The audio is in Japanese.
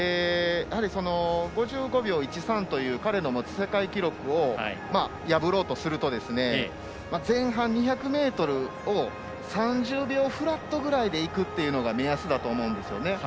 ５５秒１３という彼の持つ世界記録を破ろうとすると前半２００ｍを３０秒フラットぐらいでいくというのが目安だと思います。